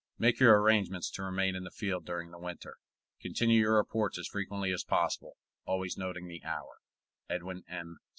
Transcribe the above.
Make your arrangements to remain in the field during the winter. Continue your reports as frequently as possible, always noting the hour. EDWIN M.